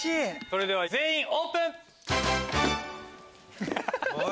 それでは全員オープン！